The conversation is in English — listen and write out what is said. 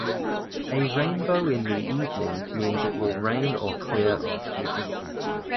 A rainbow in the evening means it will rain or clear up.